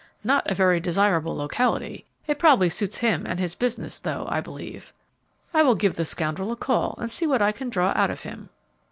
"Not a very desirable locality! It probably suits him and his business, though: I believe, I will give the scoundrel a call and see what I can draw out of him."